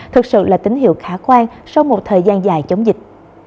thực sự là tín hiệu khả quan sau một thời gian dài chống dịch